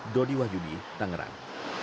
dodi wahyudi tangerang